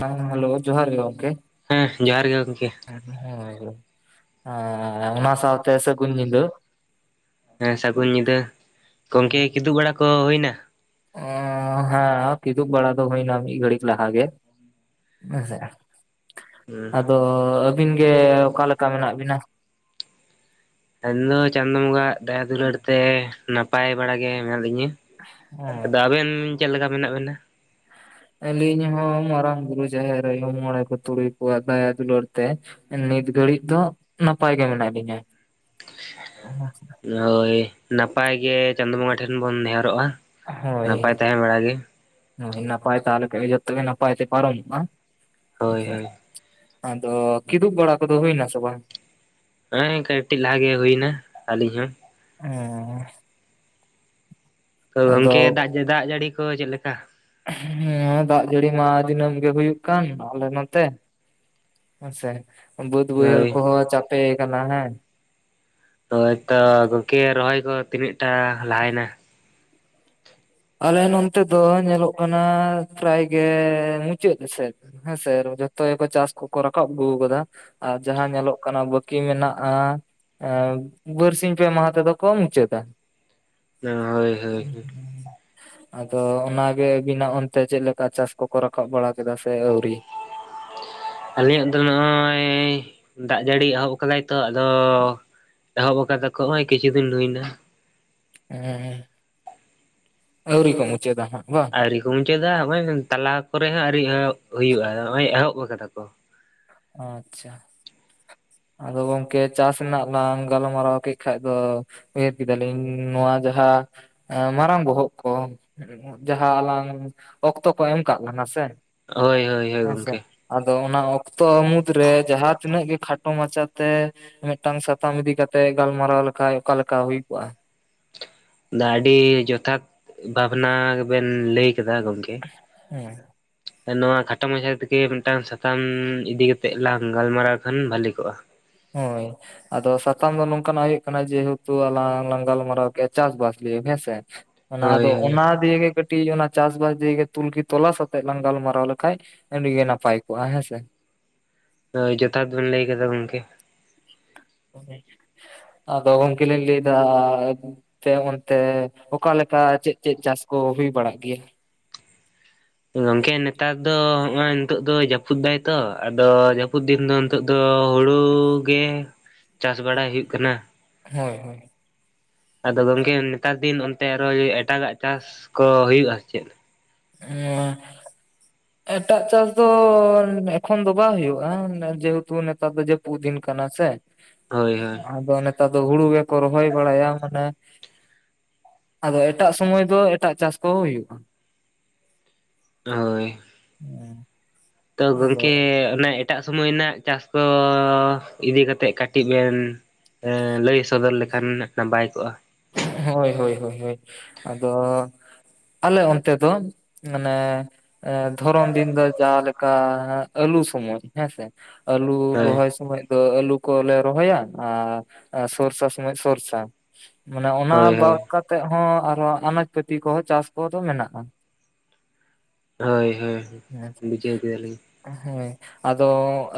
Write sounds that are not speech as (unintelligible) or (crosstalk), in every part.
ᱦᱮᱸ ᱦᱮᱞᱳ ᱡᱚᱦᱟᱨ ᱜᱮ ᱜᱚᱝᱠᱮ᱾ ᱦᱮᱸᱜ ᱡᱚᱦᱟᱨ ᱜᱮ ᱜᱚᱝᱠᱮ᱾ ᱦᱮᱸ ᱚᱱᱟ ᱥᱟᱶᱛᱮ ᱥᱟᱹᱜᱩᱱ ᱧᱤᱫᱚᱹ ᱦᱮᱸ ᱥᱟᱹᱜᱩᱱ ᱧᱤᱫᱟᱹ ᱜᱚᱝᱠᱮ ᱠᱤᱫᱩᱵ ᱵᱟᱲᱟ ᱠᱚ ᱦᱩᱭᱱᱟ᱾ ᱚ ᱦᱮᱸ ᱠᱤᱫᱩᱵ ᱵᱟᱲᱟ ᱫᱚ ᱦᱩᱭᱱᱟ ᱢᱤᱫ ᱜᱷᱟᱹᱲᱤᱡ ᱞᱟᱦᱟ ᱜᱮ᱾ ᱦᱮᱸᱥᱮ ᱦᱩᱸ ᱟᱫᱚ ᱟᱹᱵᱤᱱ ᱜᱮ ᱚᱠᱟ ᱞᱮᱠᱟ ᱢᱮᱱᱟᱜ ᱵᱤᱱᱟ᱾ ᱟᱹᱧ ᱫᱚ ᱪᱟᱸᱫᱚ ᱵᱚᱸᱜᱟ ᱣᱟᱜ ᱫᱟᱭᱟ ᱫᱩᱞᱟᱹᱲ ᱛᱮ ᱱᱟᱯᱟᱭ ᱵᱟᱲᱟ ᱜᱮ ᱢᱮᱱᱟᱜ ᱞᱤᱧᱟ᱾ ᱦᱮᱸ ᱟᱫᱚ ᱟᱵᱮᱱ ᱪᱮᱫ ᱞᱮᱠᱟ ᱢᱮᱱᱟᱜ ᱵᱤᱱᱟ᱾ ᱟᱹᱞᱤᱧ ᱦᱚᱸ ᱢᱟᱨᱟᱝ ᱵᱩᱨᱩ ᱡᱟᱦᱮᱨ ᱟᱭᱚ ᱢᱚᱬᱮ ᱠᱚ ᱛᱩᱲᱩᱭ ᱠᱚᱣᱟᱜ ᱫᱟᱭᱟ ᱫᱩᱞᱟᱹᱲ ᱛᱮ ᱱᱤᱛ ᱜᱷᱟᱹᱲᱤᱡ ᱫᱚ ᱱᱟᱯᱟᱭ ᱜᱮ ᱢᱮᱱᱟᱜ ᱞᱤᱧᱟᱹ᱾ ᱦᱳᱭ ᱱᱟᱯᱟᱭ ᱜᱮ ᱪᱟᱸᱫᱚ ᱵᱚᱸᱜᱟ ᱴᱷᱮᱱ ᱵᱚᱱ ᱱᱮᱦᱚᱨᱚᱜᱼᱟ᱾ ᱦᱳᱭ ᱱᱟᱯᱟᱭ ᱛᱟᱦᱮᱸ ᱵᱟᱲᱟ ᱜᱮ ᱦᱳᱭ ᱱᱟᱯᱟᱭ ᱛᱟᱦᱮ ᱞᱮᱠᱷᱟᱱ ᱜᱮ ᱡᱚᱛᱚ ᱜᱮ ᱱᱟᱯᱟᱭ ᱛᱮ ᱯᱟᱨᱚᱢᱚᱜ ᱟ᱾ ᱦᱳᱭ ᱟᱪᱪᱷᱟ ᱦᱳᱭ ᱟᱫᱚ ᱠᱤᱫᱩᱵ ᱵᱟᱲᱟ ᱠᱚ ᱫᱚ ᱦᱩᱭ ᱱᱟ ᱥᱮ ᱵᱟᱝ? ᱦᱮ ᱠᱟᱹᱴᱤᱡ ᱞᱟᱦᱟ ᱜᱮ ᱦᱩᱭ ᱮᱱᱟ ᱟᱹᱞᱤᱧ ᱦᱚᱸ᱾ ᱚ ᱛᱚ ᱜᱚᱝᱠᱮ ᱫᱟᱜ ᱡᱟᱹᱲᱤ ᱠᱚ ᱪᱮᱫ ᱞᱮᱠᱟ? ᱦᱮᱸ ᱫᱟᱜ ᱡᱟᱹᱲᱤ ᱢᱟ ᱫᱤᱱᱟᱹᱢ ᱜᱮ ᱦᱩᱭᱩᱜ ᱠᱟᱱ ᱟᱞᱮ ᱱᱚ ᱛᱮ ᱾ ᱦᱮ ᱥᱮ ᱵᱟᱹᱫ ᱵᱟᱹᱭᱦᱟᱹᱲ ᱦᱳᱭ ᱠᱚ ᱦᱚᱸ ᱪᱟᱯᱮ ᱠᱟᱱᱟ ᱦᱮᱸ᱾ ᱦᱳᱭ ᱛᱚ ᱜᱚᱝᱠᱮ ᱨᱚᱦᱚᱭ ᱠᱚ ᱛᱤᱱᱟᱹᱜ ᱴᱟ ᱞᱟᱦᱟ ᱭᱮᱱᱟ᱾ ᱟᱞᱮ ᱱᱚᱱ ᱛᱮ ᱫᱚ ᱧᱮᱞᱚᱜ ᱠᱟᱱᱟ ᱯᱮᱨᱟᱭ ᱜᱮ ᱢᱩᱪᱟᱹᱫ ᱥᱮᱫ᱾ ᱦᱮᱸ ᱥᱮ ᱡᱷᱚᱛᱚ ᱜᱮ ᱠᱚ ᱪᱟᱥ ᱠᱚ ᱠᱚ ᱨᱟᱠᱟᱵ ᱟᱜᱩ ᱠᱟᱫᱟ᱾ ᱟᱨ ᱡᱟᱦᱟᱸ ᱧᱮᱞᱚᱜ ᱠᱟᱱᱟ ᱵᱟᱹᱠᱤ ᱢᱮᱱᱟᱜᱼᱟ᱾ ᱮ ᱵᱟᱨᱥᱤᱧ ᱯᱮ ᱢᱟᱦᱟ ᱛᱮ ᱫᱚ ᱠᱚ ᱢᱩᱪᱟᱹᱫᱟ᱾ ᱦᱳᱭ ᱦᱳᱭ ᱟᱫᱚ ᱚᱱᱟ ᱜᱮ ᱟᱹᱵᱤ ᱱᱟᱜ ᱚᱱᱛᱮ ᱪᱮᱫ ᱞᱮᱠᱟ ᱪᱟᱥ ᱠᱚ ᱠᱚ ᱨᱟᱠᱟᱵ ᱵᱟᱲᱟ ᱠᱮᱫᱟ ᱥᱮ ᱟᱣᱨᱤ? ᱟᱞᱮ ᱭᱟᱜ ᱫᱚ ᱱᱚᱜᱼᱚᱭ ᱫᱟᱜ ᱡᱟᱹᱲᱤ ᱮᱦᱚᱵ ᱠᱟᱫᱟᱭ ᱛᱚ ᱟᱫᱚ ᱮᱦᱚᱵ ᱟᱠᱟᱫᱟ ᱠᱚ ᱱᱚᱜᱼᱚᱭ ᱠᱤᱪᱷᱩ ᱫᱤᱱ ᱦᱩᱭ ᱱᱟ᱾ ᱦᱩᱸ ᱟᱣᱨᱤ ᱠᱚ ᱢᱩᱪᱚᱫ ᱟ ᱵᱟᱝ ᱟᱹᱣᱨᱤ ᱠᱚ ᱢᱩᱪᱟᱹᱫᱟ ᱱᱚᱜᱚᱭ ᱛᱟᱞᱟ ᱠᱚ ᱨᱮ ᱦᱚᱸ ᱟᱹᱣᱤᱭ ᱮᱦᱚᱵ ᱦᱩᱭᱩᱜᱼᱟ ᱱᱚᱜ ᱚᱚᱭ ᱮᱦᱚᱵ ᱟᱠᱟᱫᱟ ᱠᱚ᱾ ᱟᱪᱪᱷᱟ ᱟᱫᱚ ᱜᱚᱝᱠᱮ ᱪᱟᱥ ᱨᱮᱱᱟᱜ ᱞᱟᱝ ᱜᱟᱞ ᱢᱟᱨᱟᱣ ᱠᱮᱫ ᱠᱷᱟ ᱫᱚ ᱩᱭᱦᱟᱹᱨ ᱠᱮᱫᱟ ᱞᱤᱧ ᱱᱚᱣᱟ ᱡᱟᱦᱟᱸ ᱢᱟᱨᱟᱝ ᱵᱚᱦᱚᱜ ᱠᱚ ᱡᱟᱦᱟᱸ ᱟᱞᱟᱝ ᱚᱠᱛᱚ ᱠᱚ ᱮᱢ ᱠᱟᱜ ᱞᱟᱝ ᱟ ᱥᱮ ᱦᱳᱭ ᱦᱳᱭ ᱦᱳᱭ ᱦᱮᱸᱥᱮ ᱜᱚᱝᱠᱮ ᱟᱫᱚ ᱚᱱᱟ ᱚᱠᱛᱚ ᱢᱩᱫᱽᱨᱮ ᱡᱟᱦᱟᱸ ᱛᱤᱱᱟᱹᱜ ᱜᱮ ᱠᱷᱴᱚ ᱢᱟᱪᱟ ᱛᱮ ᱢᱤᱫ ᱴᱟᱝ ᱥᱟᱛᱟᱢ ᱤᱫᱤ ᱠᱟᱛᱮᱜ ᱜᱟᱞ ᱢᱟᱨᱟᱣ ᱞᱮ ᱠᱷᱟᱡ ᱚᱠᱟ ᱞᱮᱠᱟ ᱦᱩᱭ ᱠᱚᱜᱼᱟ᱾ ᱟᱹᱰᱤ ᱡᱚᱛᱷᱟᱛ ᱵᱷᱟᱵᱱᱟ ᱵᱮᱱ ᱞᱟᱹᱭ ᱠᱮᱫᱟ ᱜᱚᱝᱠᱮ ᱦᱮᱸ ᱱᱚᱣᱟ ᱠᱷᱟᱴᱚ ᱢᱟᱪᱷᱟ ᱛᱮ ᱜᱮ ᱢᱤᱫᱴᱟᱝ ᱥᱟᱛᱟᱢ ᱤᱫᱤ ᱠᱟᱛᱮᱜ ᱞᱟᱝ ᱜᱟᱞ ᱢᱟᱨᱟᱣ ᱠᱷᱟᱱ ᱵᱷᱟᱞᱮ ᱠᱚᱜᱼᱟ᱾ ᱦᱳᱭ ᱟᱫᱚ ᱥᱟᱛᱟᱢ ᱫᱚ ᱱᱚᱝ ᱠᱟᱱᱟᱜ ᱦᱩᱭᱩᱜ ᱠᱟᱱᱟ ᱡᱮᱦᱮᱹᱛᱩ ᱟᱞᱟᱝ ᱞᱟᱝ ᱜᱟᱞ ᱢᱟᱨᱟᱣ ᱠᱮᱫ ᱟ ᱪᱟᱥ ᱵᱟᱥ ᱱᱤᱭᱮ ᱦᱮᱸᱥᱮ᱾ ᱚᱱᱟ ᱦᱳᱭ ᱟᱫᱚ ᱦᱳᱭ ᱚᱱᱟ ᱫᱤᱭᱮ ᱜᱮ ᱠᱟᱹᱴᱤᱡ ᱠᱟᱹᱴᱤᱡ ᱚᱱᱟ ᱪᱟᱥ ᱵᱟᱥ ᱫᱤᱭᱮ ᱜᱮ ᱛᱩᱞᱠᱷᱤ ᱛᱚᱞᱟᱥ ᱟᱛᱮᱜ ᱞᱟᱝ ᱜᱟᱞ ᱢᱟᱨᱟᱣ ᱞᱮᱠᱷᱟᱡ ᱟᱹᱰᱤ ᱜᱮ ᱱᱟᱯᱟᱭ ᱠᱚᱜᱼᱟ ᱦᱮᱸᱥᱮ᱾ ᱦᱳᱭ ᱡᱚᱛᱷᱟᱛ ᱵᱱ ᱞᱟᱹᱭ ᱠᱮᱫᱟ ᱜᱚᱝᱠᱮ᱾ ᱟᱫᱚ ᱜᱚᱝᱠᱮ ᱞᱤᱧ ᱞᱟᱹᱭ ᱮᱫᱟ᱾ ᱟᱯᱮ ᱚᱱᱛᱮ ᱚᱠᱟ ᱞᱮᱠᱟ ᱪᱮᱫ ᱪᱮᱫ ᱪᱟᱥ ᱠᱚ ᱦᱩᱭ ᱵᱟᱲᱟᱜ ᱜᱮᱭᱟ ᱜᱚᱝᱠᱮ ᱱᱮᱛᱟᱨ ᱫᱚ ᱦᱚᱜᱚᱭ ᱱᱤᱛᱚᱜ ᱫᱚ ᱡᱟᱹᱯᱩᱫ ᱫᱟᱭ ᱛᱚ ᱟᱫᱚ ᱡᱟᱹᱯᱩᱫ ᱫᱤᱱ ᱫᱚ ᱱᱤᱛᱚᱜ ᱫᱚ ᱦᱩᱲᱩ ᱜᱮ ᱪᱟᱥ ᱵᱟᱲᱟᱭ ᱦᱩᱭᱩᱜ ᱠᱟᱱᱟ᱾ ᱦᱳᱭ ᱟᱫᱚ ᱜᱚᱝᱠᱮ ᱱᱮᱛᱟᱨ ᱫᱤᱱ ᱚᱱᱛᱮ ᱟᱨᱚ ᱮᱴᱟᱜᱟᱜ ᱪᱟᱥ ᱠᱚ ᱦᱩᱭᱩᱜᱼᱟ ᱥᱮ ᱪᱮᱫ ᱦᱮᱸ (inaudible) ᱮᱴᱟᱜ ᱪᱟᱥ ᱫᱚ ᱮᱠᱷᱚᱱ ᱫᱚ ᱵᱟᱝ ᱦᱩᱭᱩᱜ-ᱟ᱾ ᱡᱮᱦᱮᱛᱩ ᱱᱮᱛᱟᱨ ᱫᱚ ᱡᱟᱹᱯᱩᱫ ᱫᱤᱱ ᱠᱟᱱᱟ ᱥᱮ ᱦᱳᱭ ᱦᱳᱭ ᱾ ᱟᱫᱚ ᱱᱮᱛᱟᱨ ᱫᱚ ᱦᱩᱲᱩ ᱵᱮᱠᱚ ᱚᱨᱦᱚᱭ ᱵᱟᱲᱟᱭ ᱟ ᱢᱟᱢᱮ ᱟᱫᱚ ᱮᱴᱟᱜ ᱥᱚᱢᱚᱭ ᱫᱚ ᱮᱴᱟᱜ ᱪᱟᱥ ᱠᱚ ᱦᱩᱭᱩᱜ-ᱟ ᱾ ᱦᱚᱭ ᱾ ᱦᱮᱸ ᱮ ᱾ ᱛᱚ ᱜᱚᱝᱠᱮ ᱚᱱᱟ ᱮᱴᱟᱜ ᱥᱚᱢᱚᱭ ᱨᱮᱱᱟᱜ ᱪᱟᱥ ᱠᱚ ᱤᱫᱤ ᱠᱟᱛᱮᱫ ᱠᱟᱹᱴᱤᱡ ᱵᱮᱱ ᱞᱟᱹᱭ ᱥᱚᱫᱚᱨ ᱞᱮᱠᱷᱟᱱ ᱱᱟᱯᱟᱭ ᱠᱚᱜ-ᱟ ᱾ ᱦᱚᱭ ᱦᱚᱭ ᱦᱚᱭ ᱟᱫᱚ ᱟᱞᱮ ᱚᱱᱛᱮ ᱫᱚ ᱢᱟᱱᱮ ᱮ ᱫᱷᱚᱨᱚᱢ ᱫᱤᱱ ᱫᱚ ᱡᱟᱞᱮᱠᱟ ᱟᱞᱩ ᱥᱩᱢᱩᱝ ᱾ ᱦᱮᱸ ᱥᱮ ᱟᱞᱩ ᱦᱳᱭ ᱨᱚᱦᱚᱭ ᱥᱚᱢᱚᱭ ᱟᱹᱞᱩ ᱠᱚ ᱞᱮ ᱨᱚᱦᱚᱭᱟ ᱟᱨ ᱥᱚᱨᱥᱟ ᱥᱚᱢᱚᱭ ᱥᱚᱨᱥᱟ ᱾ ᱢᱟᱱᱮ ᱚᱱᱟ ᱦᱳᱭ ᱦᱳᱭ ᱵᱟᱫ ᱠᱟᱛᱮᱜ ᱦᱚᱸ ᱟᱨ ᱦᱚᱸ ᱟᱱᱟᱡ ᱯᱟᱹᱛᱤ ᱠᱚ ᱦᱚᱸ ᱪᱟᱥ ᱠᱚ ᱫᱚ ᱢᱮᱱᱟᱜ-ᱟ ᱾ ᱦᱚᱭ ᱦᱚᱭ ᱵᱩᱡᱷᱟᱹᱣ ᱠᱮᱫᱟ ᱞᱤᱧ ᱾ ᱦᱮᱸ ᱟᱫᱚ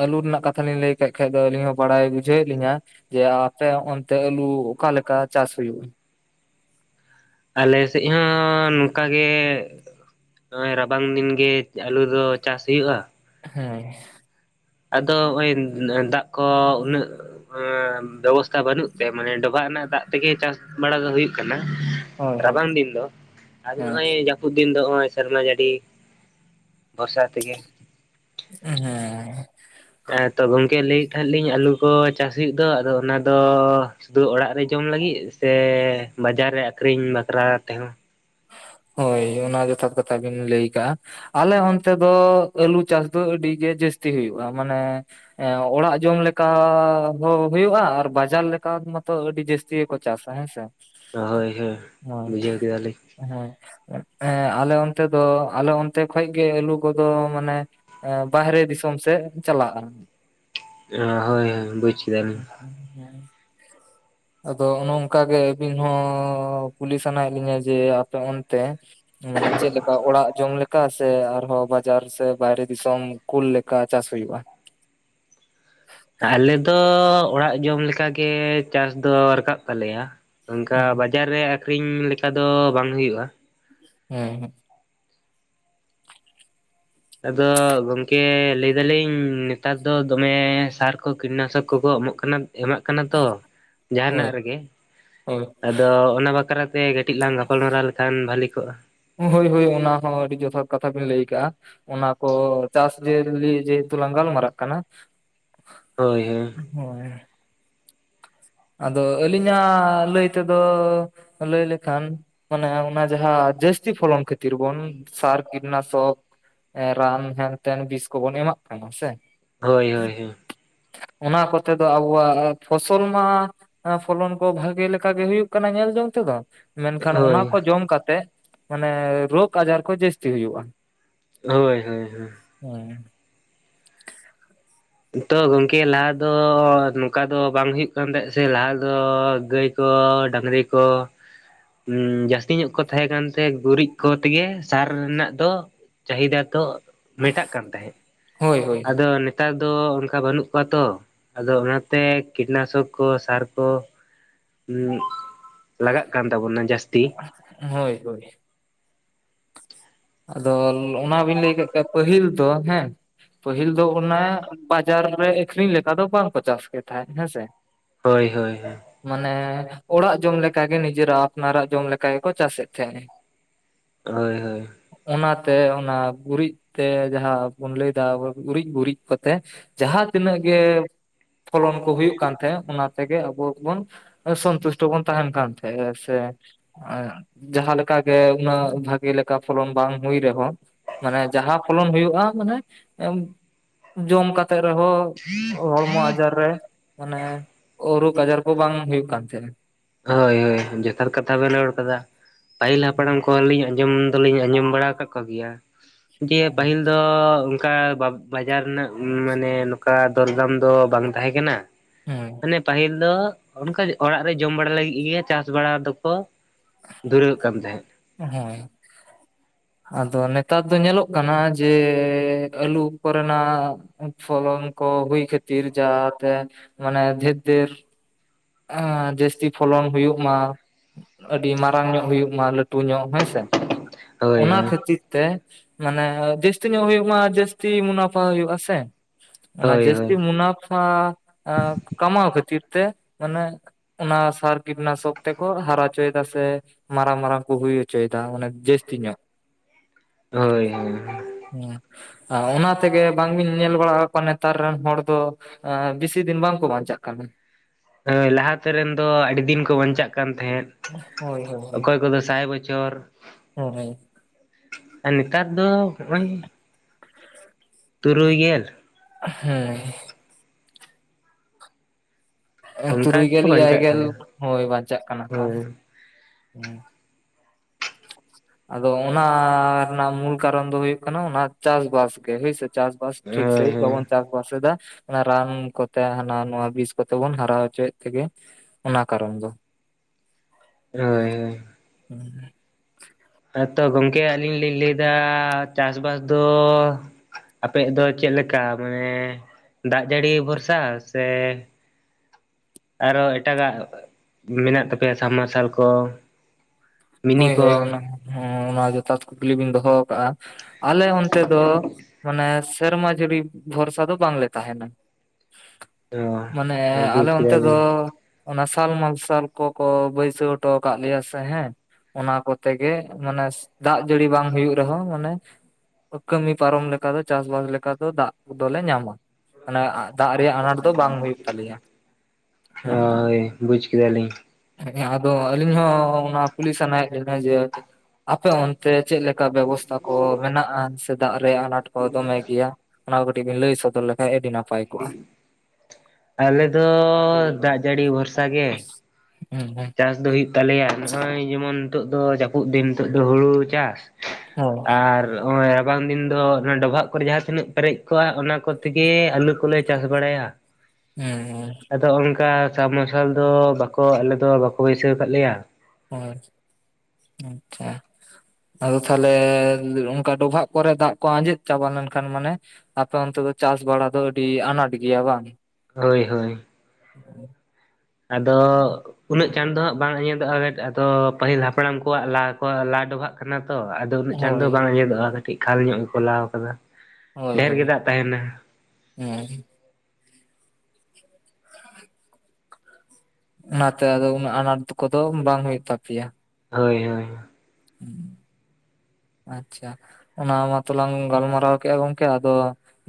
ᱟᱹᱞᱩ ᱨᱮᱱᱟᱜ ᱠᱟᱛᱷᱟ ᱞᱤᱧ ᱞᱟᱹᱭ ᱟᱠᱟᱠᱷᱟ ᱫᱚ ᱟᱹᱞᱤᱧ ᱦᱚᱸ ᱵᱟᱲᱟᱭ ᱵᱩᱡᱷᱟᱹᱣᱮᱫ ᱞᱤᱧᱟᱹ ᱾ ᱡᱮ ᱟᱯᱮ ᱚᱱᱛᱮ ᱟᱞᱩ ᱚᱠᱟ ᱞᱮᱠᱟ ᱪᱟᱥ ᱦᱩᱭᱩᱜ-ᱟ ᱾ ᱟᱞᱮ ᱥᱮᱫ ᱦᱚᱸ ᱱᱚᱝᱠᱟ ᱜᱮ ᱾ ᱱᱚᱜᱚᱭ ᱨᱟᱵᱟᱝ ᱫᱤᱱ ᱜᱮ ᱟᱹᱞᱩ ᱫᱚ ᱪᱟᱥ ᱦᱩᱭᱩᱜ-ᱟ ᱾ ᱦᱮᱸ ᱾ ᱟᱫᱚ ᱱᱚᱜ-ᱭ ᱫᱟᱜ ᱠᱚ ᱩᱱᱟᱹᱜ ᱵᱮᱵᱚᱥ ᱛᱟ ᱚᱱᱠᱟ ᱵᱟᱹᱱᱩᱜ ᱛᱮ ᱢᱟᱱᱮ ᱰᱚᱵᱷᱟᱜ ᱨᱮᱱᱟᱜ ᱫᱟᱜ ᱛᱮ ᱜᱮ ᱪᱟᱥ ᱵᱟᱲᱟ ᱫᱚ ᱦᱩᱭᱩᱜ ᱠᱟᱱᱟ ᱦᱳᱭ ᱦᱳᱭ ᱨᱟᱵᱟᱝ ᱫᱤᱱ ᱫᱚ ᱾ ᱟᱫᱚ ᱦᱮᱸ ᱱᱚᱜ-ᱚᱭ ᱡᱟᱹᱯᱩᱫ ᱫᱤᱱ ᱫᱚ ᱱᱚᱜ-ᱚᱭ ᱥᱮᱨᱢᱟ ᱡᱟᱹᱲᱤ ᱵᱚᱨᱥᱟ ᱛᱮ ᱜᱮ ᱾ ᱦᱮᱸ ᱾ ᱦᱮᱸ ᱛᱚ ᱜᱚᱝᱠᱮ ᱞᱟᱹᱭᱮᱫ ᱛᱟᱦᱮᱸᱫ ᱞᱤᱧ ᱟᱹᱞᱩ ᱠᱚ ᱪᱟᱥ ᱦᱩᱭᱩᱜ ᱫᱚ ᱟᱫᱚ ᱚᱱᱟ ᱫᱚ ᱥᱩᱫᱩ ᱚᱲᱟᱜ ᱨᱮ ᱡᱚᱢ ᱞᱟᱹᱜᱤᱫ ᱥᱮ ᱵᱟᱡᱟᱨ ᱨᱮ ᱟᱠᱷᱨᱤᱧ ᱵᱟᱠᱷᱨᱟ ᱛᱮ ᱦᱚᱸ ᱾ ᱦᱚᱭ ᱚᱱᱟ ᱡᱚᱛᱷᱟᱛ ᱠᱟᱛᱷᱟ ᱵᱤᱱ ᱞᱟᱹᱭ ᱟᱠᱟᱜ-ᱟ ᱾ ᱟᱞᱮ ᱚᱱᱛᱮ ᱫᱚ ᱟᱹᱞᱩ ᱪᱟᱥ ᱫᱚ ᱟᱹᱰᱤᱜᱮ ᱡᱟᱹᱥᱛᱤ ᱦᱩᱭᱩᱜ-ᱟ᱾ ᱢᱟᱱᱮ ᱚᱲᱟᱜ ᱡᱚᱢ ᱞᱮᱠᱟ ᱦᱚᱸ ᱦᱩᱭᱩᱜ-ᱟ ᱟᱨ ᱵᱟᱡᱟᱨ ᱞᱮᱠᱟ ᱢᱟᱛᱚ ᱟᱹᱰᱤ ᱡᱟᱹᱥ ᱛᱤ ᱜᱮ ᱠᱚ ᱪᱟᱥᱟ ᱦᱮᱸ ᱥᱮ ᱾ ᱦᱚᱭ ᱦᱚᱭ ᱵᱩᱡᱷᱟᱹᱣ ᱠᱮᱫᱟ ᱞᱤᱧ ᱾ ᱦᱮᱸ ᱟᱞᱮ ᱚᱱᱛᱮ ᱫᱚ ᱟᱞᱮ ᱚᱱᱛᱮ ᱠᱷᱚᱡ ᱜᱮ ᱟᱹᱞᱩ ᱠᱚ ᱫᱚ ᱢᱟᱱᱮ ᱮ ᱵᱟᱦᱨᱮ ᱫᱤᱥᱚᱢ ᱥᱮᱫ ᱪᱟᱞᱟᱜ-ᱟᱢ᱾ ᱦᱚᱭ ᱦᱚᱭ ᱵᱩᱡ ᱠᱮᱫᱟ ᱞᱤᱧ ᱾ (unintelligible) ᱟᱫᱚ ᱚᱱᱮ ᱚᱱᱠᱟ ᱜᱮ ᱟᱹᱵᱤᱱ ᱦᱚᱸ ᱠᱩᱞᱤ ᱥᱟᱱᱟ ᱭᱮᱫ ᱞᱤᱧᱟ ᱾ ᱡᱮ ᱟᱯᱮ ᱚᱱᱛᱮ ᱢᱟᱱᱮ ᱪᱮᱫ ᱞᱮᱠᱟ ᱚᱲᱟᱜ ᱡᱚᱢ ᱞᱮᱠᱟ ᱠᱟ ᱥᱮ ᱟᱨᱦᱚᱸ ᱵᱟᱡᱟᱨ ᱥᱮ ᱵᱟᱭᱨᱮ ᱫᱤᱥᱚᱢ ᱠᱩᱞ ᱞᱮᱠᱟ ᱪᱟᱥ ᱦᱩᱭᱩᱜ-ᱟ ᱾ ᱟᱞᱮ ᱫᱚ ᱚᱲᱟᱜ ᱡᱚᱢ ᱞᱮᱠᱟ ᱜᱮ ᱪᱟᱥ ᱫᱚ ᱨᱟᱠᱟᱵ ᱛᱟᱞᱮᱭᱟ ᱚᱱᱠᱟ ᱦᱩᱸ ᱵᱟᱲ ᱵᱟᱡᱟᱨ ᱨᱮ ᱟᱹᱠᱷ ᱨᱤᱧ ᱞᱮᱠᱟ ᱫᱚ ᱵᱟᱝ ᱦᱩᱭᱩᱜ-ᱟ ᱾ ᱦᱮᱸ ᱦᱮᱸ᱾ ᱟᱫᱚ ᱜᱚᱝᱠᱮ ᱞᱟᱹᱭᱫᱟ ᱞᱤᱧ ᱱᱮᱛᱟᱨ ᱫᱚ ᱫᱚᱢᱮ ᱥᱟᱨ ᱠᱚ ᱠᱤᱴᱱᱟᱥᱟᱹᱠ ᱠᱚᱠᱚ ᱮᱢᱚᱜ ᱠᱟᱱᱟ ᱾ ᱮᱢᱟᱜ ᱠᱟᱱᱟ ᱛᱚ ᱦᱳᱭ ᱡᱟᱦᱟᱱᱟᱜ ᱨᱮᱜᱮ ᱦᱳᱭ ᱟᱫᱚ ᱚᱱᱟ ᱵᱟᱠᱷᱨᱟ ᱛᱮ ᱠᱟᱹᱴᱤᱡ ᱞᱟᱝ ᱜᱟᱯᱟᱞᱢᱟᱨᱟᱣ ᱞᱮᱠᱷᱟᱱ ᱵᱷᱟᱹᱞᱤ ᱠᱚᱜ-ᱟ ᱾ ᱦᱳᱭ ᱦᱳᱭ ᱚᱱᱟ ᱦᱚᱸ ᱟᱹᱰᱤ ᱡᱚᱛᱷᱟᱛ ᱠᱟᱛᱷᱟ ᱵᱤᱱ ᱞᱟᱹᱭ ᱟᱠᱟᱜ-ᱟ ᱾ ᱚᱱᱟ ᱠᱚ ᱪᱟᱥ ᱡᱮᱞᱤ ᱡᱮᱦᱩᱛᱩ ᱞᱟᱝ ᱜᱟᱞᱢᱟᱨᱟᱜ ᱠᱟᱱᱟ ᱾ ᱦᱳᱭ ᱦᱮᱸ ᱾ ᱦᱳᱭ ᱾ ᱟᱫᱚ ᱟᱹᱞᱤᱧᱟᱜ ᱞᱟᱹᱭ ᱛᱮᱫᱚ ᱞᱟᱹᱭ ᱞᱮᱠᱷᱟᱱ ᱢᱟᱱᱮ ᱚᱱᱟ ᱡᱟᱦᱟᱸ ᱡᱟᱹᱥᱛᱤ ᱯᱷᱚᱞᱚᱱ ᱠᱷᱟᱹᱛᱤᱨ ᱵᱚᱱ ᱥᱟᱨ ᱠᱤᱴᱱᱟᱥᱚᱠ ᱨᱟᱱ ᱦᱮᱱᱛᱮᱱ ᱵᱤᱥ ᱠᱚᱵᱚᱱ ᱮᱢᱟᱜ ᱠᱟᱱᱟ ᱥᱮ ᱦᱳᱭ ᱦᱳᱭ ᱦᱮᱸ ᱾ ᱚᱱᱟ ᱠᱚᱛᱮ ᱫᱚ ᱟᱵᱚᱣᱟᱜ ᱯᱷᱚᱥᱚᱞ ᱢᱟ ᱯᱷᱚᱞᱚᱱ ᱠᱚ ᱵᱷᱟᱜᱮ ᱞᱮᱠᱟ ᱜᱮ ᱦᱩᱭᱩᱜ ᱠᱟᱱᱟ ᱧᱮᱞ ᱡᱚᱝ ᱛᱮᱫᱚ ᱢᱮᱱᱠᱷᱟᱱ ᱚᱱᱟ ᱦᱳᱭ ᱠᱚ ᱡᱚᱢ ᱠᱟᱛᱮᱜ ᱢᱟᱱᱮ ᱨᱚᱜᱽ ᱟᱡᱟᱨ ᱠᱚ ᱡᱟᱹᱥᱛᱤ ᱦᱩᱭᱩᱜᱼᱟ ᱾ ᱦᱳᱭ ᱦᱳᱭ ᱦᱮᱸ ᱾ ᱦᱳᱭ ᱾ ᱛᱚ ᱜᱚᱝᱠᱮ ᱞᱟᱦᱟ ᱫᱚ ᱱᱚᱝᱠᱟ ᱫᱚ ᱵᱟᱝ ᱦᱩᱭᱩᱜ ᱠᱟᱱ ᱛᱟᱦᱮ‌ᱸᱜ ᱥᱮ ᱞᱟᱦᱟ ᱫᱚ ᱜᱟᱹᱭ ᱠᱚ ᱰᱟᱺᱝᱨᱤ ᱠᱚ ᱡᱟᱹᱥᱛᱤ ᱧᱚᱜ ᱠᱚ ᱛᱟᱦᱮᱸ ᱠᱟᱱ ᱛᱮ ᱜᱩᱨᱤᱡ ᱠᱚ ᱛᱮᱜᱮ ᱥᱟᱨ ᱨᱮᱱᱟᱜ ᱫᱚ ᱪᱟᱦᱤᱫᱟ ᱛᱚᱜ ᱢᱮᱴᱟᱜ ᱠᱟᱱ ᱛᱟᱦᱮᱸᱫ ᱦᱳᱭ ᱦᱳᱭ ᱟᱫᱚ ᱱᱮᱛᱟᱨ ᱫᱚ ᱚᱱᱠᱟ ᱵᱟᱹᱱᱩᱜ ᱠᱚᱣᱟ ᱛᱚ ᱟᱫᱚ ᱚᱱᱟᱛᱮ ᱠᱤᱴᱱᱟᱥᱚᱠ ᱠᱚ ᱥᱟᱨ ᱠᱚ ᱞᱟᱜᱟᱜ ᱠᱟᱱ ᱛᱟᱵᱚᱱᱟ ᱡᱟᱹᱥᱛᱤ ᱦᱳᱭ ᱦᱳᱭ ᱟᱫᱚᱞ ᱚᱱᱟ ᱵᱤᱱ ᱞᱟᱹᱭ ᱠᱮᱫ ᱠᱷᱟᱱ ᱯᱟᱹᱦᱤᱞ ᱫᱚ ᱦᱮᱸ ᱯᱟᱹᱦᱤᱞ ᱫᱚ ᱚᱱᱟ ᱵᱟᱡᱟᱨ ᱨᱮ ᱟᱠᱷᱨᱤᱧ ᱞᱮᱠᱟ ᱫᱚ ᱵᱟᱝᱠᱚ ᱪᱟᱥ ᱠᱮᱫ ᱛᱟᱦᱮᱸᱫ ᱦᱮᱸᱥᱮ ᱦᱳᱭ ᱦᱳᱭ ᱦᱮᱸ ᱾ ᱢᱟᱱᱮ ᱚᱲᱟᱜ ᱡᱚᱢ ᱞᱮᱠᱟ ᱜᱮ ᱱᱤᱡᱮᱨᱟᱜ ᱟᱯᱱᱟᱨᱟᱜ ᱡᱚᱢ ᱞᱮᱠᱟ ᱜᱮᱠᱚ ᱪᱟᱥᱮᱫ ᱛᱟᱦᱮᱸᱜ᱾ ᱦᱳᱭ ᱦᱳᱭ ᱾ ᱚᱱᱟᱛᱮ ᱚᱱᱟ ᱜᱩᱨᱤᱡ ᱛᱮ ᱡᱟᱦᱟᱸ ᱵᱩᱱ ᱞᱟᱹᱭᱫᱟ ᱜᱩᱨᱤᱡ ᱜᱩᱨᱤᱡ ᱠᱚᱛᱮ ᱾ ᱡᱟᱦᱟᱸ ᱛᱤᱱᱟᱹᱜ ᱜᱮ ᱯᱷᱚᱞᱚᱱ ᱠᱚ ᱦᱩᱭᱩᱜ ᱠᱟᱱ ᱛᱟᱦᱮᱸ ᱚᱱᱟ ᱛᱮᱜᱮ ᱟᱵᱚ ᱵᱚᱱ ᱥᱚᱱᱛᱩᱥᱴᱚ ᱵᱚᱱ ᱛᱟᱦᱮᱱ ᱠᱟᱱ ᱛᱟᱦᱮᱸᱜ ᱥᱮ (unintelligible) ᱡᱟᱦᱟᱸ ᱞᱮᱠᱟ ᱜᱮ ᱩᱱᱟᱹᱜ ᱵᱷᱟᱜᱤ ᱞᱮᱠᱟ ᱯᱷᱚᱞᱚᱱ ᱵᱟᱝ ᱦᱩᱭ ᱨᱮᱦᱚᱸ ᱢᱟᱱᱮ ᱡᱟᱦᱟᱸ ᱯᱷᱚᱞᱚᱱ ᱦᱩᱭᱩᱜᱼᱟ ᱢᱟᱱᱮ ᱡᱚᱢ ᱠᱟᱛᱮᱜ ᱨᱮᱦᱚᱸ ᱦᱚᱲᱢᱚ ᱟᱡᱟᱨ ᱨᱮ ᱢᱟᱱᱮ ᱨᱳᱜᱽ ᱟᱡᱟᱨ ᱠᱚ ᱵᱟᱝ ᱦᱩᱭᱩᱜ ᱠᱟᱱ ᱛᱟᱦᱮᱸᱜᱼᱟ ᱾ ᱦᱳᱭ ᱦᱳᱭ, ᱡᱚᱛᱷᱟᱛ ᱠᱟᱛᱷᱟ ᱵᱮᱱ ᱨᱚᱲ ᱟᱠᱟᱫᱟ ᱯᱟᱹᱦᱤᱞ ᱦᱟᱯᱟᱲᱟᱢ ᱠᱚᱞᱤᱧ ᱟᱸᱡᱚᱢ ᱫᱚᱞᱤᱧ ᱟᱸᱡᱚᱢ ᱵᱟᱲᱟ ᱟᱠᱟᱫ ᱠᱚᱜᱮᱭᱟ ᱡᱮ ᱯᱟᱹᱦᱤᱞ ᱫᱚ ᱚᱱᱠᱟ ᱵᱟᱵ ᱵᱟᱡᱟᱨ ᱨᱮᱱᱟᱜ ᱢᱟᱱᱮ ᱱᱚᱝᱠᱟ ᱫᱚᱨᱫᱟᱢ ᱫᱚ ᱵᱟᱝ ᱛᱟᱦᱮᱸ ᱠᱟᱱᱟ ᱾ ᱦᱳᱭ ᱢᱟᱱᱮ ᱯᱟᱹᱦᱤᱞ ᱫᱚ ᱚᱱᱠᱟ ᱚᱲᱟᱜ ᱨᱮ ᱡᱚᱢ ᱵᱟᱲᱟ ᱞᱟᱹᱜᱤᱫ ᱜᱮ ᱪᱟᱥ ᱵᱟᱲᱟ ᱫᱚᱠᱚ ᱫᱷᱩᱨᱟᱹᱜ ᱠᱟᱱ ᱛᱟᱦᱮᱸᱫ ᱾ ᱦᱳᱭ ᱾ ᱟᱫᱚ ᱱᱮᱛᱟᱨ ᱫᱚ ᱧᱮᱞᱚᱜ ᱠᱟᱱᱟ ᱡᱮ ᱟᱹᱞᱩ ᱠᱚᱨᱮᱱᱟᱜ ᱯᱷᱚᱞᱚᱱ ᱠᱚ ᱦᱩᱭ ᱠᱷᱟᱹᱛᱤᱨ ᱡᱟᱛᱮ ᱢᱟᱱᱮ ᱫᱷᱮᱫ ᱫᱷᱮᱨ ᱾ (unintelligible) ᱡᱟᱹᱥᱛᱤ ᱯᱷᱚᱞᱚᱱ ᱦᱩᱭᱩᱜ ᱢᱟ ᱾ ᱟᱹᱰᱤ ᱢᱟᱨᱟᱝ ᱧᱚᱜ ᱦᱩᱭᱩᱜ ᱢᱟ ᱞᱟᱹᱴᱩ ᱧᱚᱜ ᱦᱮᱸᱥᱮ ᱦᱳᱭ ᱚᱱᱟ ᱦᱳᱭ ᱠᱷᱟᱹᱛᱤᱨ ᱛᱮ ᱢᱟᱱᱮ ᱡᱟᱹᱥᱛᱤ ᱧᱚᱜ ᱦᱩᱭᱩᱜ ᱢᱟ ᱡᱟᱹᱥᱛᱤ ᱢᱩᱱᱟᱯᱷᱟ ᱦᱩᱭᱩᱜᱼᱟ ᱥᱮ᱾ ᱚᱱᱟ ᱦᱳᱭ ᱡᱟᱹᱥᱛᱤ ᱢᱩᱱᱟᱯᱷᱟ ᱠᱟᱢᱟᱣ ᱠᱷᱟᱹᱛᱤᱨ ᱛᱮ ᱢᱟᱱᱮ ᱚᱱᱟ ᱥᱟᱨ ᱠᱤᱴᱱᱟᱥᱚᱠ ᱛᱮᱠᱚ ᱦᱟᱨᱟᱪᱚᱭᱮᱫᱟ ᱥᱮ ᱢᱟᱨᱟᱝ ᱢᱟᱨᱟᱝ ᱠᱚ ᱦᱩᱭ ᱦᱚᱪᱚᱭ ᱮᱫᱟ ᱢᱟᱱᱮ ᱡᱟᱹᱥᱛᱤ ᱧᱚᱜ᱾ ᱦᱳᱭ ᱦᱳᱭ ᱦᱮᱸ ᱚᱱᱟ ᱛᱮ ᱜᱮ ᱵᱟᱝ ᱵᱤᱱ ᱧᱮᱞ ᱵᱟᱲᱟ ᱟᱠᱚᱣᱟ ᱱᱮᱛᱟᱨ ᱨᱮᱱ ᱦᱚᱲ ᱫᱚ ᱵᱮᱥᱤ ᱫᱤᱱ ᱵᱟᱝ ᱠᱚ ᱵᱟᱧᱪᱟᱜ ᱠᱟᱱᱟ᱾ ᱦᱳᱣ ᱞᱟᱦᱟ ᱛᱮ ᱨᱮᱱ ᱫᱚ ᱟᱹᱰᱤ ᱫᱤᱱ ᱠᱚ ᱵᱟᱧᱪᱟᱜ ᱠᱟᱱ ᱛᱟᱦᱮᱸᱫ᱾ ᱦᱳᱭ ᱦᱳᱭ ᱚᱠᱚᱭ ᱠᱚ ᱫᱚ ᱥᱟᱭ ᱵᱚᱪᱷᱚᱨ ᱦᱳᱭ ᱦᱳᱭ ᱟᱨ ᱱᱮᱛᱟᱨ ᱫᱚ ᱱᱚᱜᱼᱚᱭ ᱛᱩᱨᱩᱭ ᱜᱮᱞ᱾ ᱦᱮᱸ ᱚᱱᱠᱟ ᱛᱩᱨᱩᱭ ᱜᱮᱠᱚ ᱜᱮᱞ ᱮᱭᱟᱭ ᱵᱟᱧᱪᱟᱜ ᱜᱮᱞ ᱠᱟᱱᱟ ᱦᱳᱭ ᱵᱟᱧᱪᱟᱜ ᱠᱟᱱᱟ ᱠᱚ ᱦᱳᱭ ᱦᱮᱸ᱾ ᱟᱫᱚ ᱚᱱᱟ ᱨᱮᱱᱟᱜ ᱢᱩᱞ ᱠᱟᱨᱚᱱ ᱫᱚ ᱦᱩᱭᱩᱜ ᱠᱟᱱᱟ ᱚᱱᱟ ᱪᱟᱥ ᱵᱟᱥ ᱜᱮ ᱦᱳᱭ ᱥᱮ ᱪᱟᱥ ᱵᱟᱥ ᱴᱷᱤᱠ ᱦᱳᱭ ᱥᱟᱹᱦᱤᱡ ᱦᱳᱭ ᱵᱟᱵᱚᱱ ᱪᱟᱥ ᱵᱟᱥ ᱮᱫᱟ ᱚᱱᱟ ᱨᱟᱱ ᱠᱚᱛᱮ ᱦᱟᱱᱟ ᱱᱚᱣᱟ ᱵᱤᱥ ᱠᱚᱛᱮ ᱵᱚᱱ ᱦᱟᱨᱟ ᱦᱚᱪᱚᱭᱮᱫ ᱛᱮ ᱜᱮ ᱚᱱᱟ ᱠᱟᱨᱚᱱ ᱫᱚ᱾ ᱦᱳᱭ ᱦᱳᱭ ᱦᱩᱸ ᱛᱚ ᱜᱚᱝᱠᱮ ᱟᱹᱞᱤᱧ ᱞᱤᱧ ᱞᱟᱹᱭ ᱫᱟ ᱪᱟᱥ ᱵᱟᱥ ᱫᱚ ᱟᱯᱮᱭᱟ-ᱜ ᱫᱚ ᱪᱮᱫ ᱞᱮᱠᱟ ᱢᱟᱱᱮ ᱫᱟᱜ ᱡᱟᱹᱲᱤ ᱵᱷᱚᱨᱥᱟ ᱥᱮ ᱟᱨᱚ ᱮᱴᱟᱜᱟᱜ ᱢᱮᱱᱟᱜ ᱛᱟᱯᱮᱭᱟ ᱥᱟᱢ ᱢᱟᱨᱥᱟᱞ ᱠᱚ ᱦᱳᱭ ᱢᱤᱱᱤ ᱦᱳᱭ ᱠᱚ ᱚᱱᱟ ᱦᱚᱸ ᱚᱱᱟ ᱡᱚᱛᱷᱟᱛ ᱠᱩᱠᱞᱤ ᱵᱤᱱ ᱫᱚᱦᱚ ᱠᱟᱜᱼᱟ᱾ ᱟᱞᱮ ᱚᱱᱛᱮ ᱫᱚ ᱢᱟᱱᱮ ᱥᱮᱨᱢᱟ ᱡᱟᱹᱲᱤ ᱵᱷᱚᱨᱥᱟ ᱫᱚ ᱵᱟᱝ ᱞᱮ ᱛᱟᱦᱮᱱᱟ᱾ ᱚ ᱢᱟᱱᱮ ᱦᱳᱭ ᱵᱩᱡᱽ ᱟᱞᱮ ᱚᱱᱛᱮ ᱫᱚ ᱠᱮᱫᱟᱞᱤᱧ ᱚᱱᱟ ᱥᱟᱞ ᱢᱟᱨᱥᱟᱞ ᱠᱚᱠᱚ ᱵᱟᱹᱭᱥᱟᱹᱣ ᱦᱚᱴᱚ ᱠᱟᱜ ᱞᱮᱭᱟ ᱥᱮ ᱦᱮᱸ ᱚᱱᱟ ᱠᱚᱛᱮ ᱜᱮ ᱢᱟᱱᱮ ᱫᱟᱜ ᱡᱟᱹᱲᱤ ᱵᱟᱝ ᱦᱩᱭᱩᱜ ᱨᱮ ᱦᱚᱸ ᱢᱟᱱᱮ ᱠᱟᱹᱢᱤ ᱯᱟᱨᱚᱢ ᱞᱮᱠᱟ ᱫᱚ ᱪᱟᱥᱵᱟᱥ ᱞᱮᱠᱟ ᱫᱚ ᱫᱟᱜ ᱫᱚᱞᱮ ᱧᱟᱢᱟ᱾ ᱢᱟᱱᱮ ᱫᱟᱜ ᱨᱮᱭᱟᱜ ᱟᱱᱟᱴ ᱫᱚ ᱵᱟᱝ ᱦᱩᱭᱩᱜ ᱛᱟᱞᱮᱭᱟ ᱦᱮᱸ ᱦᱳᱭ ᱵᱩᱡᱽ ᱠᱮᱫᱟ ᱞᱤᱧ ᱦᱮ ᱟᱫᱚ ᱟᱹᱞᱤᱧ ᱦᱚᱸ ᱚᱱᱟ ᱠᱩᱞᱤ ᱥᱟᱱᱟ ᱭᱮᱜ ᱞᱤᱧᱟ ᱡᱮ ᱟᱯᱮ ᱚᱱ ᱛᱮ ᱪᱮᱫ ᱞᱮᱠᱟ ᱵᱮᱵᱚᱥᱛᱟ ᱠᱚ ᱢᱮᱱᱟᱜ-ᱟ᱾ ᱥᱮ ᱫᱟᱜ ᱨᱮᱭᱟᱜ ᱟᱱᱟᱴ ᱠᱚ ᱫᱚᱢᱮ ᱜᱮᱭᱟ᱾ ᱚᱱᱟ ᱠᱚ ᱠᱟᱹᱴᱤᱡ ᱵᱤᱱ ᱞᱟᱹᱭ ᱥᱚᱫᱚᱨ ᱞᱮ ᱠᱷᱟᱱ ᱟᱵᱤᱱ ᱱᱟᱯ ᱟᱞᱮ ᱫᱚ ᱫᱟᱜ ᱡᱟᱹᱲᱤ ᱵᱷᱚᱨᱥᱟ ᱜᱮ᱾ ᱦᱩᱸ ᱦᱩᱸ ᱪᱟᱥ ᱫᱚ ᱦᱩᱭᱩᱜ ᱛᱟᱞᱮ ᱭᱟ ᱱᱚᱜᱼᱚᱭ ᱡᱮ ᱢᱚᱱ ᱱᱤᱛᱚᱜ ᱫᱚ ᱡᱟᱹᱯᱩᱫ ᱫᱤᱱ ᱱᱤᱛᱚᱜ ᱫᱚ ᱦᱩᱲᱩ ᱪᱟᱥ ᱦᱳᱭ᱾ ᱟᱨ (unintelligible) ᱨᱟᱵᱟᱝ ᱫᱤᱱ ᱫᱚ ᱚᱱᱟ ᱰᱚᱵᱷᱟᱜ ᱠᱚᱨᱮ ᱡᱟᱦᱟᱸ ᱛᱤᱱᱟᱹᱜ ᱯᱮᱨᱮᱡ ᱠᱚᱜᱼᱟ ᱚᱱᱟ ᱠᱚ ᱛᱮ ᱜᱮ ᱟᱹᱞᱩ ᱠᱚ ᱞᱮ ᱪᱟᱥ ᱵᱟᱲᱟᱭᱟ᱾ (inaudible) ᱦᱮᱸ ᱦᱮᱸ ᱟᱫᱚ ᱚᱱᱠᱟ ᱥᱟᱵᱢᱟᱨᱥᱟᱞ ᱫᱚ ᱵᱟᱠᱚ ᱟᱞᱮᱫᱚ ᱵᱟᱠᱚ ᱵᱟᱹᱭᱥᱟᱹᱣ ᱠᱟᱜ ᱞᱮᱭᱟ᱾ ᱦᱳᱭ ᱟᱪᱪᱷᱟ ᱟᱫᱚ ᱛᱟᱦᱞᱮ ᱚᱱᱠᱟ ᱰᱚᱵᱷᱟᱜ ᱠᱚ ᱨᱮ ᱫᱟᱜ ᱠᱚ ᱟᱸᱡᱮᱫ ᱪᱟᱵᱟ ᱞᱮᱱ ᱠᱷᱟᱱ ᱢᱟᱱᱮ ᱟᱯᱮ ᱚᱱᱛᱮ ᱫᱚ ᱪᱟᱥ ᱵᱟᱲᱟ ᱫᱚ ᱟᱹᱰᱤ ᱟᱱᱟᱴ ᱜᱮᱭᱟ ᱵᱟᱝ? ᱦᱳᱭ ᱦᱳᱭ ᱾ (unintelligible) ᱟᱫᱚ ᱩᱱᱟᱹᱜ ᱪᱟᱸᱬ ᱫᱚ ᱦᱟᱸᱜ ᱵᱟᱝ ᱟᱸᱡᱮᱫᱚᱜᱼᱟ ᱾ ᱟᱫᱚ ᱯᱟᱹᱦᱤᱞ ᱦᱟᱯᱲᱟᱢ ᱠᱚᱣᱟᱜ (unintelligible) ᱞᱟ ᱰᱚᱵᱷᱟᱜ ᱠᱟᱱᱟ ᱛᱚ ᱟᱫᱚ ᱩᱱᱟᱹᱜ ᱪᱟᱸᱬ ᱫᱚ ᱦᱳᱭ ᱵᱟᱝ ᱟᱸᱡᱮᱫᱚᱜᱼᱟ ᱠᱟᱹᱴᱤᱡ ᱠᱷᱟᱞ ᱧᱚᱜ ᱜᱮᱠᱚ ᱞᱟᱣ ᱟᱠᱟᱫᱟ ᱾ ᱦᱳᱭ ᱦᱳᱭ ᱾ (unintelligible) ᱦᱮᱸ᱾ (inaudible) ᱚᱱᱟᱛᱮ ᱟᱫᱚ ᱩᱱᱟᱹᱜ ᱟᱱᱟᱴ ᱠᱚᱫᱚ ᱵᱟᱝ ᱦᱩᱭᱩᱜ ᱛᱟᱯᱮᱭᱟ ᱾ ᱦᱳᱭ ᱦᱳᱭ ᱾ (inaudible) (unintelligible) ᱟᱪᱪᱷᱟ ᱾ ᱚᱱᱟ ᱢᱟᱛᱚᱞᱟᱝ ᱜᱟᱞᱢᱟᱨᱟᱣ ᱠᱮᱜᱼᱟ ᱜᱚᱝᱠᱮ, ᱟᱫᱚ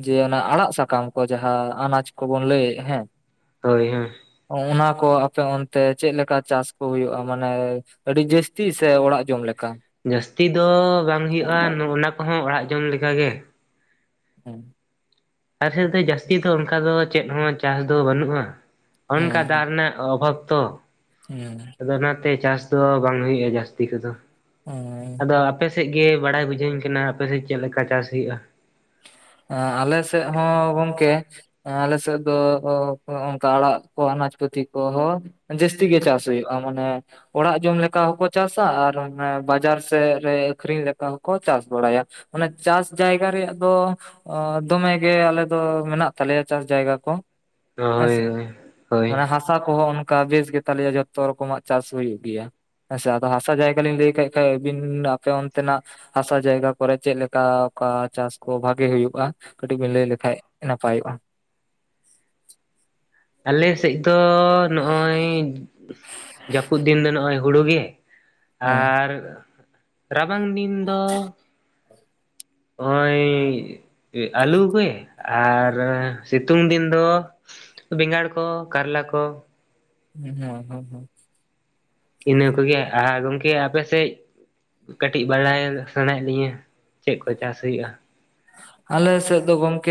ᱡᱮ ᱚᱱᱟ ᱟᱲᱟᱜ ᱥᱟᱠᱟᱢ ᱠᱚ ᱡᱟᱦᱟ ᱟᱱᱟᱡᱽ ᱠᱚᱵᱚᱱ ᱞᱟᱹᱭᱮᱜ-ᱟ ᱦᱮᱸ ᱾ ᱦᱳᱭ, ᱦᱮᱸ ᱾ ᱚᱱᱟ ᱠᱚ ᱟᱯᱮ ᱚᱱᱛᱮ ᱪᱮᱫ ᱞᱮᱠᱟ ᱪᱟᱥ ᱠᱚ ᱦᱩᱭᱩᱜᱼᱟ? ᱢᱟᱱᱮ ᱟᱹᱰᱤ ᱡᱟᱹᱥᱛᱤ ᱥᱮ ᱚᱲᱟᱜ ᱡᱚᱢ ᱞᱮᱠᱟ? ᱡᱟᱹᱥᱛᱤ ᱫᱚ ᱵᱟᱝ ᱦᱩᱭᱩᱜᱼᱟ ᱱᱚᱜᱼᱱᱟ ᱠᱚᱦᱚᱸ ᱚᱲᱟᱜ ᱡᱚᱢ ᱞᱮᱠᱟ ᱜᱮ ᱾ ᱦᱮᱸ ᱾ ᱟᱞᱮ ᱥᱮᱫ ᱫᱚ ᱡᱟᱹᱥᱛᱤ ᱫᱚ ᱚᱱᱠᱟ ᱫᱚ ᱪᱮᱫ ᱦᱚᱸ ᱪᱟᱥ ᱫᱚ ᱵᱟᱹᱱᱩᱜᱼᱟ ᱾ ᱚᱱᱠᱟ ᱫᱟᱜ ᱨᱮᱱᱟᱜ ᱚᱵᱷᱟᱵᱽ ᱛᱚ ᱾ ᱦᱮᱸᱻ ᱟᱫᱚ ᱚᱱᱟᱛᱮ ᱪᱟᱥ ᱫᱚ ᱵᱟᱝ ᱦᱩᱭᱩᱜᱼᱟ ᱡᱟᱹᱥᱛᱤ ᱠᱚᱫᱚ᱾ ᱦᱮᱸ ᱾ ᱟᱫᱚ ᱟᱯᱮ ᱥᱮᱫ ᱜᱮ ᱵᱟᱲᱟᱭ ᱵᱩᱡᱷᱟᱹᱣ ᱤᱧ ᱠᱟᱱᱟ, ᱟᱯᱮ ᱥᱮᱫ ᱪᱮᱫ ᱞᱮᱠᱟ ᱪᱟᱥ ᱦᱩᱭᱩᱜᱼᱟ? ᱟ ᱟᱞᱮ ᱥᱮᱫ ᱦᱚᱸ ᱜᱚᱝᱠᱮ ᱟᱞᱮ ᱥᱮᱫ ᱫᱚ ᱚ ᱚᱱᱠᱟ ᱟᱲᱟᱜ ᱠᱚ ᱟᱱᱟᱪ ᱯᱟᱹᱛᱤ ᱠᱚᱦᱚ ᱡᱟᱹᱥᱛᱤ ᱜᱮ ᱪᱟᱥ ᱦᱩᱭᱩᱜᱼᱟ᱾ ᱢᱟᱱᱮ ᱚᱲᱟᱜ ᱡᱚᱢ ᱞᱮᱠᱟ ᱦᱚᱸᱠᱚ ᱪᱟᱥᱟ ᱟᱨ ᱚᱱᱮ ᱵᱟᱡᱟᱨ ᱥᱮᱫ ᱨᱮ ᱟᱠᱷᱨᱤᱧ ᱞᱮᱠᱟ ᱦᱚᱸᱠᱚ ᱪᱟᱥ ᱵᱟᱲᱟᱭᱟ᱾ ᱚᱱᱟ ᱪᱟᱥ ᱡᱟᱭᱜᱟ ᱨᱮᱭᱟᱜ ᱫᱚ ᱚ ᱫᱚᱢᱮ ᱜᱮ ᱟᱞᱮ ᱫᱚ ᱢᱮᱱᱟᱜ ᱛᱟᱞᱮᱭᱟ ᱪᱟᱥ ᱡᱟᱭᱜᱟ ᱠᱚ ᱾ ᱦᱳᱭ ᱦᱮᱸᱥᱮ ᱦᱳᱭ (inaudible) ᱦᱳᱭ ᱢᱟᱱᱮ ᱦᱟᱥᱟ ᱠᱚᱦᱚᱸ ᱚᱱᱠᱟ ᱵᱮᱥ ᱜᱮ ᱛᱟᱞᱮᱭᱟ ᱡᱷᱚᱛᱚ ᱨᱚᱠᱚᱢᱟᱜ ᱪᱟᱥ ᱦᱩᱭᱩᱜ ᱜᱮᱭᱟ᱾ ᱦᱮᱸ ᱥᱮ ᱟᱫᱚ ᱦᱟᱥᱟ ᱡᱟᱭᱜᱟ ᱞᱤᱧ ᱞᱟᱹᱭ ᱠᱮᱫ ᱠᱷᱟᱱ ᱟᱹᱵᱤᱱ ᱟᱯᱮ ᱚᱱᱛᱮᱱᱟᱜ ᱦᱟᱸᱥᱟ ᱡᱟᱭᱜᱟ ᱠᱚᱨᱮ ᱪᱮᱫ ᱞᱮᱠᱟ ᱚᱠᱟ ᱪᱟᱥ ᱠᱚ ᱵᱷᱟᱜᱮ ᱦᱩᱭᱩᱜᱼᱟ ᱠᱟᱹᱴᱤᱡ ᱵᱮᱱ ᱞᱟᱹᱭ ᱞᱮᱠᱷᱟᱡ ᱱᱟᱯᱟᱭᱚᱜᱼᱟ᱾ ᱟᱞᱮ ᱥᱮᱫ ᱫᱚ ᱱᱚᱜᱼᱚᱭ (inaudible) ᱡᱟᱹᱯᱩᱫ ᱫᱤᱱ ᱫᱚ ᱱᱚᱜᱼᱚᱭ ᱦᱩᱲᱩ ᱜᱮ ᱦᱮᱸ ᱟᱨ ᱨᱟᱵᱟᱝ ᱫᱤᱱ ᱫᱚ ᱱᱚᱸᱜᱚᱭ ᱟᱹᱞᱩ ᱜᱮ ᱾ ᱟᱨ ᱥᱤᱛᱩᱝ ᱫᱤᱱ ᱫᱚ ᱵᱮᱸᱜᱟᱲ ᱠᱚ ᱠᱟᱨᱞᱟ ᱠᱚ ᱾ (unintelligible) ᱤᱱᱟᱹ ᱠᱚᱜᱮ ᱟᱨ ᱜᱚᱝᱠᱮ ᱟᱯᱮ ᱥᱮᱡ? ᱠᱟᱹᱴᱤᱡ ᱵᱟᱲᱟᱭ ᱥᱟᱱᱟᱭᱮᱫ ᱞᱤᱧᱟᱹ, ᱪᱮᱫ ᱠᱚ ᱪᱟᱥ ᱦᱩᱭᱩᱜᱼᱟ? ᱟᱞᱮ ᱥᱮᱫ ᱫᱚ ᱜᱚᱝᱠᱮ